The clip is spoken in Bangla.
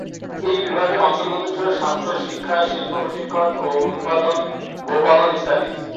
এই বিভাগের অন্তর্গত ছিল স্বাস্থ্য, শিক্ষা, শিল্প-প্রশিক্ষণ ও উৎপাদন, গো-পালন ইত্যাদি।